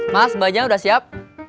mas mbak jenny udah siap